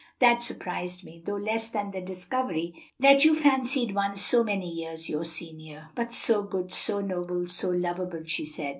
That surprised me, though less than the discovery that you fancied one so many years your senior." "But so good, so noble, so lovable!" she said.